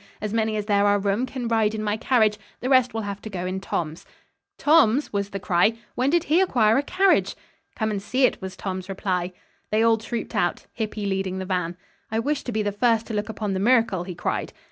As many as there are room can ride in my carriage. The rest will have go in Tom's." "Tom's?" was the cry, "When did he acquire a carriage?" "Come and see it," was Tom's reply. They all trooped out, Hippy leading the van. "I wish to be the first to look upon the miracle," he cried.